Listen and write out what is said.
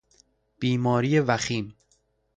بیماری وخیم